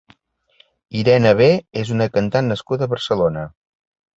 IreneB és una cantant nascuda a Barcelona.